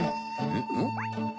ん？